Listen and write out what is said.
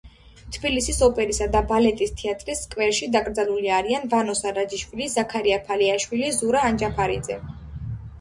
თბილისის ოპერისა და ბალეტის თეატრის სკვერში დაკრძალულნი არიან: ვანო სარაჯიშვილი, ზაქარია ფალიაშვილი, ზურა ანჯაფარიძე.